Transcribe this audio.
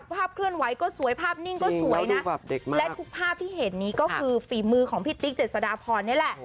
ภาพเคลื่อนไหวก็สวยภาพนิ่งก็สวยนะและทุกภาพที่เห็นนี้ก็คือฝีมือของพี่ติ๊กเจษฎาพรนี่แหละ